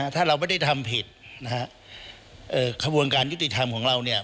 ถ้าเราไม่ได้ทำผิดนะฮะขบวนการยุติธรรมของเราเนี่ย